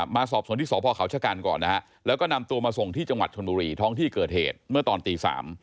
สอบส่วนที่สพเขาชะกันก่อนนะฮะแล้วก็นำตัวมาส่งที่จังหวัดชนบุรีท้องที่เกิดเหตุเมื่อตอนตี๓